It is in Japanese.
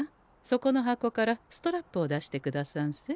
そこの箱からストラップを出してくださんせ。